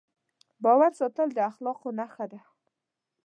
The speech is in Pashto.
د باور ساتل د اخلاقو نښه ده.